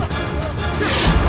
jangan lupa untuk berhenti